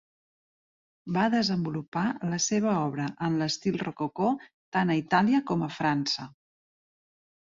Va desenvolupar la seva obra en l'estil Rococó, tant a Itàlia com a França.